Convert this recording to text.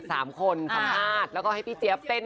สามคนสัมภาษณ์แล้วก็ให้พี่เจี๊ยบเต้น